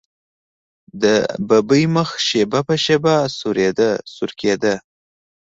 د ببۍ مخ شېبه په شېبه سورېده.